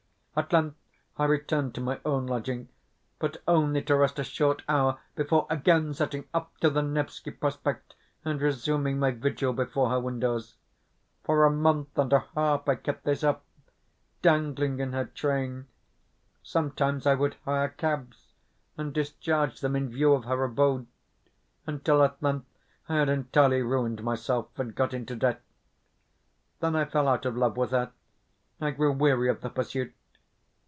At length I returned to my own lodging, but only to rest a short hour before again setting off to the Nevski Prospect and resuming my vigil before her windows. For a month and a half I kept this up dangling in her train. Sometimes I would hire cabs, and discharge them in view of her abode; until at length I had entirely ruined myself, and got into debt. Then I fell out of love with her I grew weary of the pursuit....